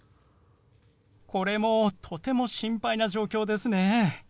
これもとても心配な状況ですね。